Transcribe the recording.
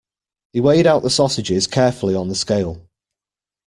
He weighed out the sausages carefully on the scale.